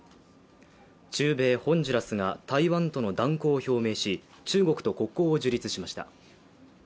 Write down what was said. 中米ホンジュラスが台湾との断交を表明し中国と国交を樹立しました。